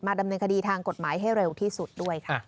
ดำเนินคดีทางกฎหมายให้เร็วที่สุดด้วยค่ะ